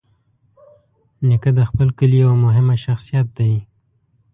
نیکه د خپل کلي یوه مهمه شخصیت دی.